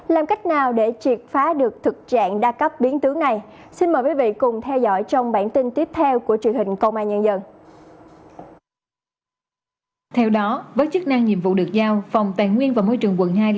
làm cách nào để triệt phá được thực trạng đa cấp biến tướng này